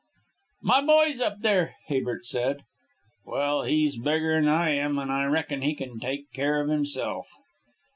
"My boy's up there," Habert said. "Well, he's bigger'n I am, and I reckon he can take care of himself."